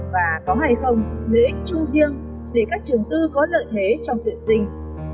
và có hay không lợi ích chung riêng để các trường tư có lợi thế trong tuyển sinh